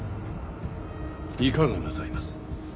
いかがなさいます。